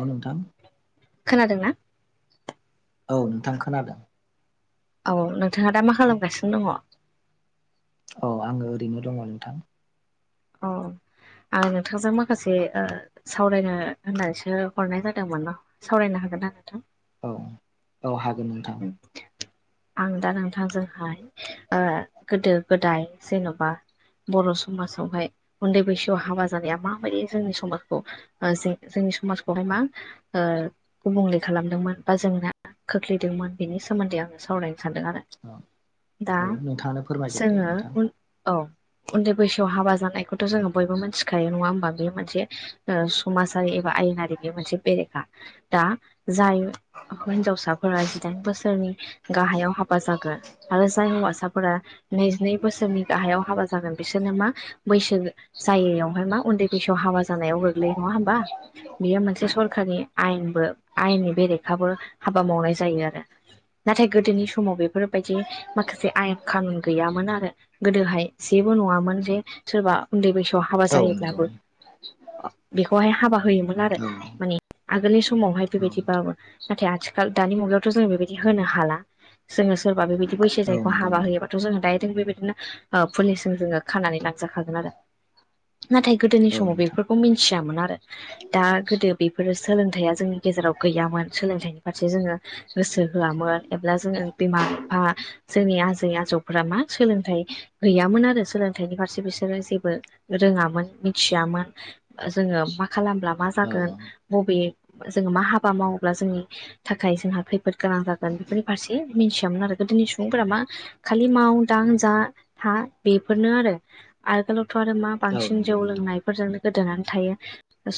औ नोंथां। खोनादोंना? औ नोंथां खोनादों। औ नोंथाङा दा मा खालामगासिनो दङ'? औ आङो ओरैनो दङ' नोंथां। अ। आं नोंथांजों माखासे ओ सावरायनो होननानैसो हरनाय जादोंमोन। सावरायनो हागोनना नोंथां? औ, औ हागोन नोंथां। आं दा नोंथांजोंहाय ओ गोदो- गोदाय जेन'बा बर' समाजावहाय उन्दै बैसोआव हाबा जानाया माबायदि जोंनि समाजखौ ओ जों जोंनि समाजखौहाय मा ओ गुबुंले खालामदोंमोन बा जोंना खोख्लै -दोंमोन बेनि सोमोन्दै आङो सावरायनो सानदों आरो। औ दा औ नोंथाङानो फोरमायगोन दे जोङो नोंथां उन औ उन्दै बैसोआव हाबा जानायखौथ' जोङो बयबो मिथिखायो नङा होमबा? बेयो मोनसे समाजारि एबा आयेनारि बे मोनसे बेरेखा। दा जाय हिनजावसाफोरा जिदाइन बोसोर गाहायाव हाबा जागोन आरो जाय हौवासाफोरा नैजिनै बोसोरनि गाहायाव हाबा जागोन बिसोरनो मा बैसो जायैयावहाय मा उन्दै बैसोआव हाबा जानायाव गोग्लैयो नङा होमबा? बियो मोनसे सरकारि आयेनबो आयेननि बेरेखाबो हाबा मावनाय जायो आरो। नाथाय गोदोनि समाव बेफोरबायदि माखासे आयेन खानुन गैयामोन आरो। गोदोहाय जेबो नङामोन जे सोरबा उन्दै बैसोआव हाबा औ नंगौ जायोब्लाबो बेखौहाय हाबा होयोमोन आरो औ माने आगोलनि समावहाय औ नोंथां बेबायदिबाबो। नाथाय आथिखाल दानि मुगायावथ' जों बेबायदि होनो हाला जोङो सोरबा बेबायदि बैसो औ जायैखौ नंगौ हाबा नोंथां होयो। जोंङो दायो बेबायदिनो पुलिससिम जोङो खानानै ला जाखागोन आरो नाथाय गोदोनि औ समाव नोंथां बेफोरखौ मिथियामोन आरो। दा गोदो बेफोरो सोलोंथाइया जोंनि गेजेराव गैयामोन। सोलोंथाइनि फारसे जोङो गोसो होआमोन एब्ला जोङो बिमा बिफा जोंनि आजै आजौफोरा मा सोलोंथाइ गैयामोन आरो सोलोंथाइनि फारसे बिसोरो जेबो रोङामोन मिथियामोन जोङो मा खालामब्ला मा औ जागोन बबे जोङो मा हाबा मावोब्ला जोंनि थाखाय जोंहा खै जोबोद गोनां जागोन बेफोरनि फारसे मिथियामोन आरो गोदोनि सुबुंफोरा मा खालि माव दां जा था बेफोरनो आरो। आगोलावथ' आरो मा औ बांसिन नंगौ जौ नोंथां लोंनाय फोरजोंनो गोदोनानै थायो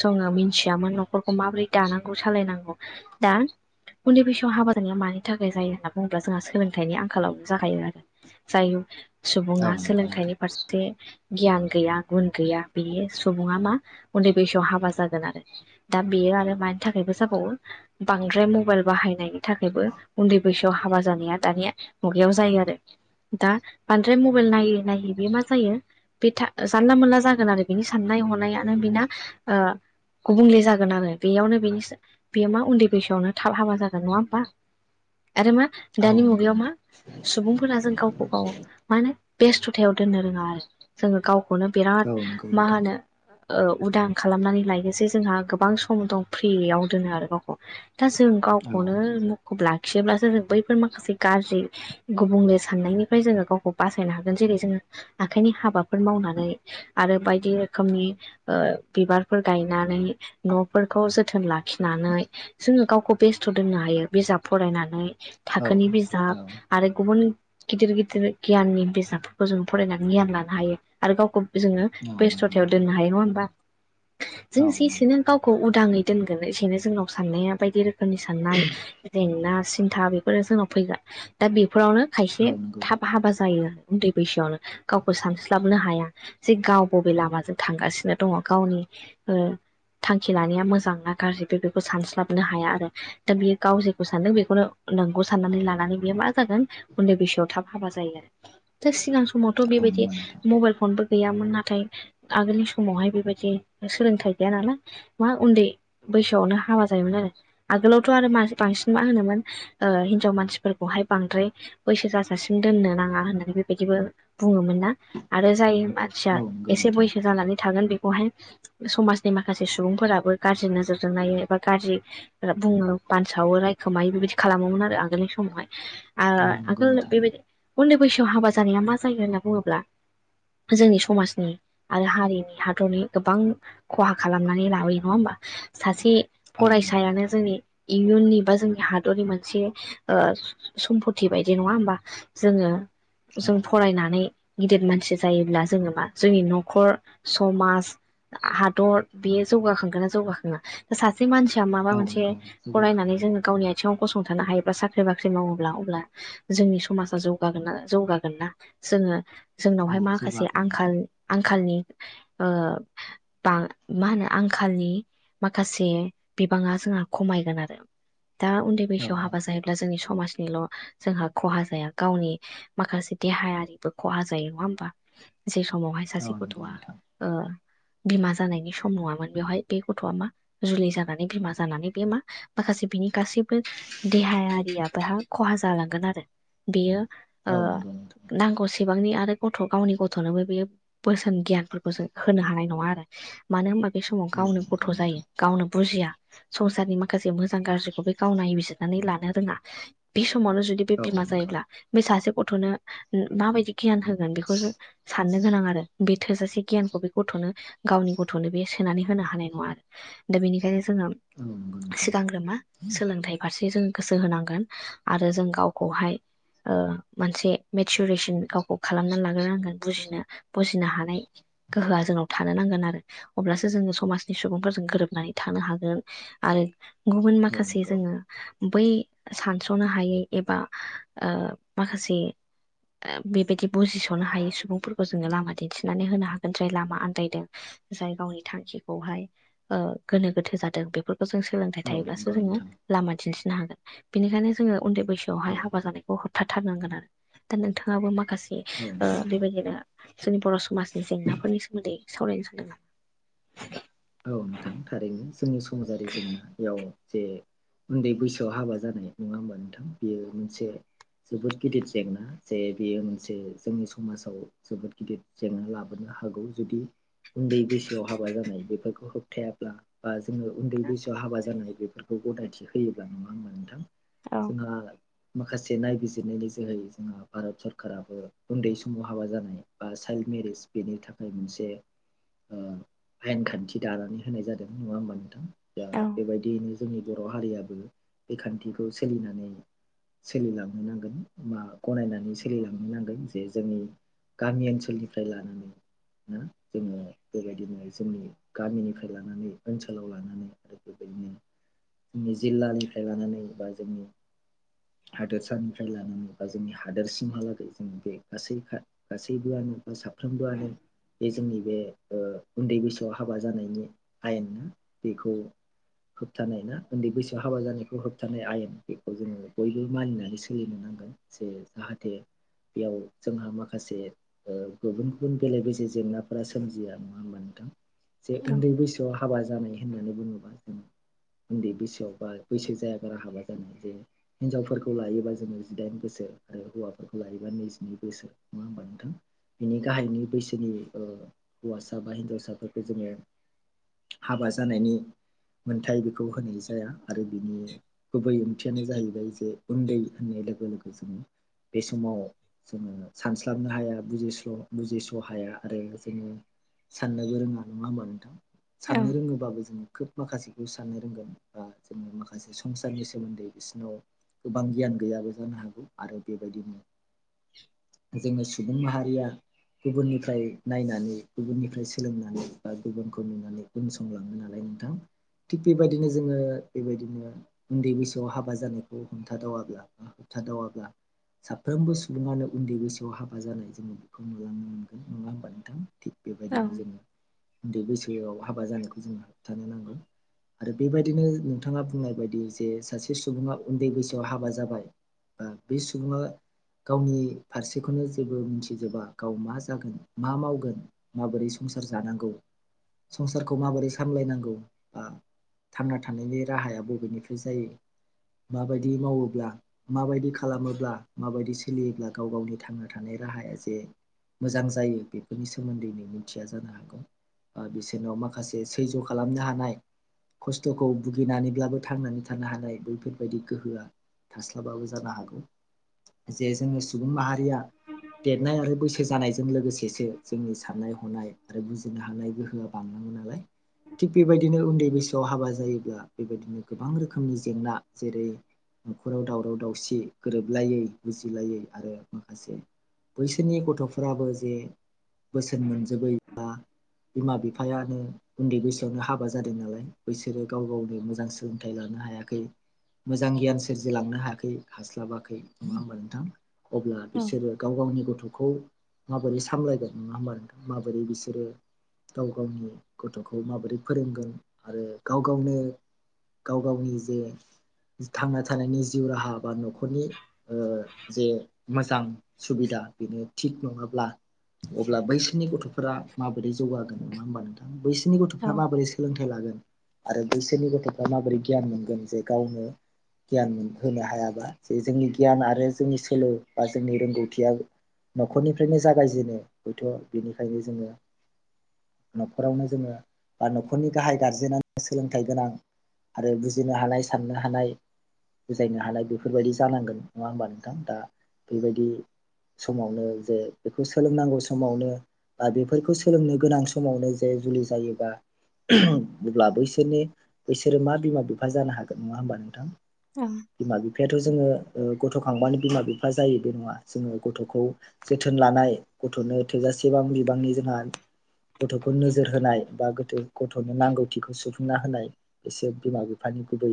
जोङो मिथियामोन न'खरखौ माबोरै दानांगौ सालायनांगौ। दा उन्दै बैसोआव हाबा जारिया मानि थाखाय जायो होनना बुङोब्ला जोंहा सोलोंथाइनि आंखालावनो जागायो आरो। जाय औ सुबुङा नंगौ नोंथां सोलोंथाइनि फारसे जे गियान गैया गुन गैया बेयो सुबुङा मा उन्दै बैसोआव हाबा जागोन आरो। दा बेयो आरो मानि थाखायबो जाबावो बांद्राय म मबाइल बाहायनायनि थाखायबो उन्दै बैसोआव हाबा जानाया दानिया मुगायाव जायो आरो। दा बांद्राय मबाइल नायै नायै बे मा जायो बे था जानला मोनला जागोन आरो बिनि साननाय हनायानो बिना ओ गुबुंले जागोन आरो बेयावनो बेनि बेयो मा उन्दै बैसोआवनो थाब हाबा जागोन नङा होमबा आरो मा? औ दानि नंगौ मुगायाव मा नोंथां सुबुंफोरा जों गावखौ गाव मा होनो बेस्थुथायाव दोननो रोङा आरो जोंङो गावखौनो औ बिराद नंगौ मा नोंथां होनो उदां खालामनानै लायोसै जोंहा गोबां सम दं फ्रियाव दोनो आरो गावखौ दा जों औ गावखौनो मुखुब लाखियोब्लासो जों बैफोर माखासे गाज्रि गुबुंले साननायनिफ्राय जोङो गावखौ बासायनो हागोन जेरै जोङो आखाइनि हाबाफोर मावनानै आरो बायदि रोखोमनि बिबारफोर गायनानै न'फोरखौ जोथोन लाख खिनानै जोङो गावखौ बेस्थ' दोननो हायो बिजाब फरायनानै। औ थाखोनि बिजाब औ आरो गुबुन गिदिर गिदिर गियाननि बिजाबफोरखौ जों फरायनानै गियान लानो हायो आरो गावखौ जोङो बेस् नंगौ सथायाव नोंथां दोननो हायो नङा होनोमबा जों औ जेसेनो गावखौ उदाङै दोनगोन एसेनो जोंनाव साननाया बायदि रोखोमनि साननाय जेंना सिन्था बेफोरो जोंनाव फैगोन। दा बेफोरावनो खायसे औ नंगौ थाब हाबा जायो आरो उन्दै बैसोआवनो गावखौ सानस्लाबनो हाया। जे गाव बबे लामाजों थांगासिनो दङ। गावनि ओ थांखि लानाया मोजां ना गाज्रि बे बे सानस्लाबनो हाया आरो। दा बेयो गाव जेखौ सानदों बेखौनो नोंगौ साननानै लानानै बेयो मा जागोन उन्दै बैसोआव थाब हाबा जायो आरो। दा सिगां समावथ' औ बेबायदि नंगौ मबाइल फनबो गैयामोन। नाथाय आगोलनि समावहाय बेबायदि सोलोंथाइ गैया नालाय मा उन्दै बैसोआवनो हाबा जायोमोन आरो आगोलावथ' आरो मा बांसिन मा होनोमोन हिनजाव मानसिफोरखौहाय बांद्राय बैसो जाजासिम दोननो नाङा होननानै बेबायदिबो बुङोमोन ना आरो जायो आरो आदसा नोंथां औ नंगौ एसे नोंथां बैसो जानानै थागोन बेखौहाय समाजनि माखासे सुबुंफोराबो गाज्रि नोजोरजों नायो एा गाज्रि बुङो बानसावो रायखोमायो बेबायदि खालामोमोन आरो आगोलनि समावहाय औ नंगौ आगोल नोंथां बेबायदि उन्दै बैसोआव हाबा जानाया मा जायो होनना बुङोब्ला जोंनि समाजनो आरो हारिनि हादरनि गोबां खहा खालामनानै लाबोयो नङा होमबा सासे औ नंगौ फरायसायानो नोंथां जोंनि इयुननि बा जोंनि हादरनि मोनसे सम्पथि बायदि नङा होमबा जोंङो औ जों फरायनानै गिदिर मानसि जायोब्ला जोङो मा जोंनि न'खर समाज हादर बेयो जौगाखांगोना जौगाखाङा सासे से मानसिया माबा औ मोनसे नंगौ जौगाखां फरायनानै जोंङो गावनि बिथिङाव गसंथानो हायोबा साख्रि बाख्रि मावोब्ला अब्ला जोंनि समाजा जौगागोना जौगागोन ना जोंङो औ जोंनावहाय माखासे जौगागोन आंखाल नोंथां आंखालनि ब मा होनो आंखालनि माखासे बिबाङा जोंहा खमायगोन आरो दा उन्दै औ बैसोआव हाबा जाहैबाय अब्ला जोंनि समाजनिल' जोंहा खहा जाया गावनि माखासे देहायारिबो खहा जायो नङा होमबा जे समावहाय औ सासे नंगौ गथ'आ नोंथां बिमा जानायनि सम नङामोन बेवहाय बे गथ'आ मा जुलि जागोन बिमा जानानै बे मा माखासे बिनि गासैबो देहायारिया बेहा खहा जालांगोन आरो बेयो ओ औ नंगौ नोंथां नांगौसे बिसेबांनि आरो गथ गावनि गथनोबो बे बोसोन गियानफोरखौ जों होनो हानाय नंङा आरो मानो होनबा बे समाव औ गावनो नंगौ गथ' जायो नोंथां गावनो बुजिया संसारनि माखासे मोजां गाज्रिखौ बे गाव नायबिजिरनानै लानो रोङा बे समावनो जुदि बे औ बिमा नंगौ जायोब्ला बे सासे गथ'नो माबायदि गियान होगोन बेखौ साननो गोनां आरो बे थोजासे गियानखौ बे गथ'नो गावनि गथ'नो बे सोनानै होनो हानाय नङा आरो दा बेनिखायनो जोङो औ नंगौ नोंथां सिगांग्रोमा सोलोंथाइ फारसे जों गोसो होनांगोन आरो जों गावखौहाय मोनसे मेचुरेसन गाव खालामनानै लाग्रांगोन बुजिनो बुजिनो हानाय गोहोआ जोंनाव थानो नांगोन आरो अब्लासो जोङो समाजनि सुबुंफोरजों गोरोब नानै थानो हागोन आरो गुबुन औ माखासे नंगौ जोङो बै सानस्र'नो हायै एबा माखासे बेबायदि बुजिस'नो हायि सुबुंफोरखौ जोङो लामा दिन्थिनानै होनो हागोन जाय लामा आन्दायदों। जाय गावनि थांखिखौहाय गोनो गोथो जादों बेफोरखौ जों सोलोंथाइ औ थायोब्लासो नंगौ जोङो नोंथां लामा दिन्थिनो हागोन। बेनिखायनो जोङो उन्दै बैसोआवहाय औ हाबा जानाय। ब होबथाथारनांगोन आरो दा नोंथाङाबो माखासे औ नंगौ नोंथां बेबायदिनो जोंनि बर' समाजनि जेंनाफोरनि सोमोन्दै सावरायनो सानदों आं औ नोंथां थारैनो जोंनि समाजारि जेंनायाव जे उन्दै बैसोआव हाबा जानाय नङा होमबा नोंथां बियो मोनसे जोबोद गिदिर जेंना जे बेयो मोनसे जोंनि समाजाव जोबोद गिदिर जेंना लाबोनो हागौ जुदि उन्दै बैसोआव हाबा जानाय बे होबथायाब्ला बा जोङो उन्दै नामा? बैसोआव हाबा जानाय बेफोरखौ बेखौ गनायथि होयोब्ला नङा होनबा नोंथां औ जोंहा माखासे नायबिजिरनायनि जोहै जोंहा भारत सरकाराबो उन्दै समाव हाबा जानाय बा चाइल्ड मेरिेज बेनि थाखाय मोनसे आयेनखान्थि दानानै होनाय जादों नङा होमबा नोंथां दा औ बेबायदियैनो जोंनि बर' हारियाबो बे खान्थिखौ सोलिनानै सोलिलांनो नांगोन बा गनायनानै सोलिलांनो नांगोन जे जोंनि गामि ओनसोलनिफ्राय लानानै ना जोङो बेबायदिनो जोंनि गामिनिफ्राय लानानै ओनसोलाव लानानै आरो बेबायदिनो जोंनि जिल्लानिफ्राय लानानै बा जोंनि हादोरसानिफ्राय लानानै बा जोंनि हादोरसिमहालागै जों बे गासै गासैबोआनो बा साफ्रोमबोआनो बे जोंनि बे उन्दै बैसोआव हाबा जानायनि आयेननाा बेखौ होबथानाय ना उन्दै बैसोआव हाबा जानायखौ होबथानाय आयेन बेखौ जोङो बयबो मानिनानै सोलिनो नांगोन। जे जाहाथे बेयाव जोंहा माखासे गुबुन गुबुन बेले बेजे जेंनाफोरा सोमजिया नङा होमबा नोंथां? जे औ उन्दै बैसोआव हाबा जानाय होननानै बुङोबा जों उन्दै बैसोआव बा बैसो जाया बारा हाबा जानानै जे हिनजावफोरखौ लायोबा जोङो जिदाइन बोसोर आरो हौवाफोरखौ लायोबा नैजिनै बोसोर नङा होमबा नोंथां? बिनि गाहायनि बैसोनि हौवासा बा हिनजावसाफोरखौ जोङो हाबा जानायनि मोनथाय बेखौ होनाय जाया आरो बिनि गुबै ओंथियानो जाहैबाय जे उन्दै होननाय लोगो लोगो जोङो बे समाव जोङो सानस्लाबनो हाया बुजिस्ल' बुजिस्ल' हाया आरो जोङो साननोबो रोङा नङा होमबा नोंथां? साननो रोङोबाबो जोङो खोब माखासेखौ साननो रोंगोन बा जोङो माखासे संसारनि सोमोन्दै बिसिोरनाव गोबां गियान गैयाबो जानो हागौ आरो बेबादिनो जोंओ सुबुं माहारिया गुबुननिफ्राय नायनानै गुबुननिफ्राय सोलोंनानै गुबुनखौ नुनानै उनसंलाङो नालाय नोंथां। थिग बेबायदिनो जोङो बेबायदिनो उन्दै बैसोआव हाबा जानायखौ हमथादावाब्ला होबथ दावब्ला साफ्रोमबो सुबुङानो उन्दै बैसोआव हाबा जानाय जोङो बेखौ नुलांनो मोनगोन। नङा होमबा नोंथां? थिग औ बेबायदिनो जोङो उन्दै बैसोआव हाबा जानायखौ जोंङो होबथानो नांगौ। आरो बेबायदिनो नोंथाङा बुंनाय बायदि जे सासे सुबुङा उन्दै बैसोआव हाबा जाबाय। बे सुबुङा गावनि फारसेखौनो जेबो मिथिजोबा गाव मा जागोन मा मावगोन। माबोरै संसार जानांगौ? संसारखौ माबोरै सामलायनांगौ बा थांना थानायनि राहाया बबेनिफ्राय जायो, माबायदि मावोब्ला? माबायदि खालामोब्ला माबायदि सोलियोब्ला गाव गावनि थांना थानाय राहाया जे मोजां जायो बेफोरनि सोमोन्दै मिथिया जानो हागौ। बिसोरनाव माखासे सैज्य' खालामनो हानाय खस्थ'खौ भुगिनानैब्लाबो थांनानै थानो हानाय बैफोरबायदि गोहोआ थास्लाबाबो जानो हागौ, जे जोङो सुबुं माहारिया देरनाय आरो बैसो जानायजों लोगोसेसो जोंनि साननाय हनाय आरो बुजिनो हानाय गोहोआ बांनांगौ नालाय थिग बेबायदिनो उन्दै बैसोआव हाबा जायोब्ला बेबायदिनो गोबां रोखोमनि जेंना जेरै न'खराव दावराव दावसि गोरोबलायै बुजिलायै आरो माखासे बैसोरनि गथ'फोराबो जे बोसोन मोनजोबैब्ला बिमा बिफायानो उन्दै बैसोआवनो हाबा जादों नालाय बैसोरो गाव गावनो मोजां सोलोंथाइ लानो हायाखै। मोजां गियान सोरजिलांनो हायाखै हास्लाबाखै नङा मोनथां? अब्ला औ बिसोरो गाव गावनि गथ'खौ माबोरै सामलायगोन नङा होमबा [inaudible] नों माबोरै बिसोरो गाव गावनि गथ'खौ माबोरै फोरोंगोन आरो गाव गावनो गाव गावनि जे थांना थानायनि जिउ राहा बा न'खरनि जे मोजां सुबिदा बेनो थिग नङाब्ला अब्ला बैसोरनि गथ'फोरा माबोरै जौगागोन? नङा होमबा नोंथां? बैसोरनि गथ'फ्रा औ माबोरै सोलोंथाइ लागोन। आरो बैसोरनि गथ'फ्रा माबोरै गियान मोनगोन जे गावनो गियान मोन होनो हायाबा जे जोंनि गियान आरो जोंनि सोलो बा जोंनि रोंगौथिया न'खरनिफ्रायनो जागायजेनो हयथ' बेनिखायनो जोङो न'खरावनो जोङो बा न'खरनि गाहाय गारजेेनानो सोलोंथाइ गोनां आरो बुजिनो हानाय साननो हानाय बुजायनो हानाय बेफोरबायदि जानांगोन नङा होमबा नोंथां? दा बेबायदि समावनो जे बेखौ सोलोंनांगौ समावनो बा बेफोरखौ सोलोंनो गोनां स समावनो जे जुलि जायोबा अब्ला बैसोरनि बैसोरो मा बिमा बिफा जानो हागोन नङा होमबा नोंथां? [unintelligible] बिमा बिफायाथ' जोङो ओ गथ'खांबानो बिमा बिफा जायो बे नङा जोङो गथ'खौ जोथोन लानाय गथ'नो थोजासे बां बिबांनि जोंहा गथ'खौ नोजोर होनाय बा गोथो गथ'नो नांगौथिखौ सुफुंना होनाय बिसोर बिमा बिफानि गुबै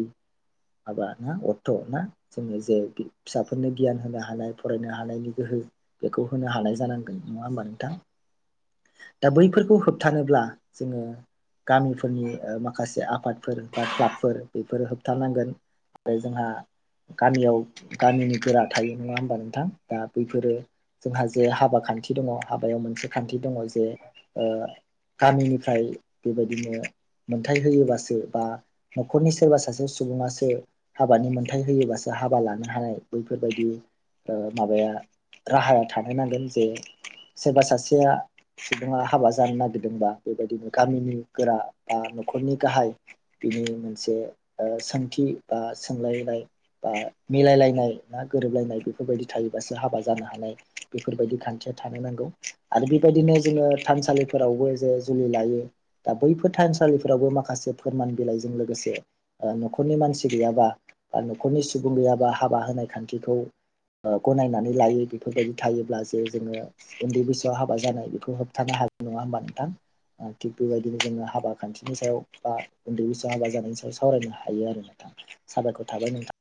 माबा ना अर्थ' ना? जोङो जे फिसाफोरनो गियान होनो हानाय फरायनो हानायनि गोहो बेखौ होनो हानाय जानांगोन नङा होमबा नोंथां दा बै फोरखौ होबथानोब्ला जोङो गामिफोरनि ओ माखासे आफादफोर बा क्लाबफोर बेफोरो होबथानांगोन। आरो जोंहा गामियाव गामिनि गोरा थायो नङा होमबा नोंथां? दा बैफोरो जोंहा जे हाबा खान्थि दङ हाबायाव मोनसे खान्थि दङ जे ओ गामिनिफ्राय बेबायदिनो मोनथाय होयोबासो बा न'खरनि सोरबा सासे सुबुङासो हाबानि मोनथाय होयोबासो हाबा लानो हानाय बैफोरबायदि ओ माबाया राहाया थानो नांगोन जे सोरबा सासेया सुबुङा हाबा जानो नागिरदोंबा बेबायदिनो गामिनि गोरा बा न'खरनि गाहाय बिनि मोनसे ओ सोंथि बा सोंलायनाय बा मिलायलायनाय ना गोरोबलायनाय बेफोरबायदि थायोबासो हाबा जानो हानाय बेफोरबायदि खान्थिया थानो नांगौ आरो बेबायदिनो जोङो थानसालिफोरावबो जे जुलि लायो। दा बैफोर थानसालिफोरावबो माखासे फोरमान बिलाइजों लोगोसे ओ न'खरनि मानसि गैयाबा बा न'खरनि सुबुं गैयाबा हाबा होनाय खान्थिखौ ओ गनायनानै लायो बेफोरबायदि थायोब्ला जे जोङो उन्दै बैसोआव हाबा जानाय बेखौ होब थानो हागोन नङा होमबा नोंथां ओ थिग बेबायदिनो जोङो हाबा खान्थिनि सायाव बा उन्दै बैसोआव हाबा जानायनि सायाव सावरायनो हायो आरो नोथां साबायखर थाबाय नोंथां